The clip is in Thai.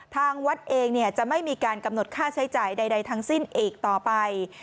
ทางวัดเองจะไม่มีการกำหนดค่าใช้จ่ายใดทั้งสิ้นอีกต่อไป